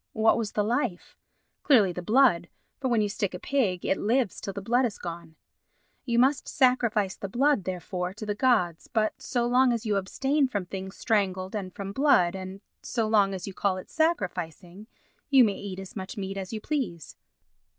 What was the life? Clearly the blood, for when you stick a pig it lives till the blood is gone. You must sacrifice the blood, therefore, to the gods, but so long as you abstain from things strangled and from blood, and so long as you call it sacrificing, you may eat as much meat as you please.